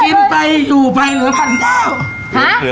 กินไปอยู่ไปเหลือ๑๙๐๐บาท